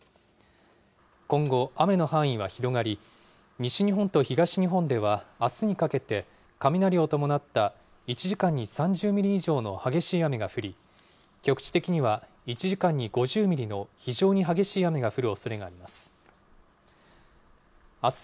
今後、雨の範囲は広がり、西日本と東日本ではあすにかけて、雷を伴った１時間に３０ミリ以上の激しい雨が降り、局地的には１時間に５０ミリの非常に激しい雨が降るおそれがあります。